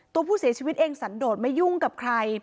ตัวผู้เสียชีวิตเองสันโดดไม่ยุ่งกับใคร